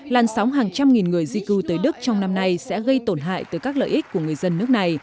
làn sóng hàng trăm nghìn người di cư tới đức trong năm nay sẽ gây tổn hại tới các lợi ích của người dân nước này